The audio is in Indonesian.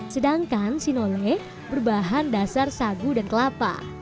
sedangkan sinole berbahan dasar sagu dan kelapa